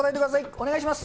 お願いします。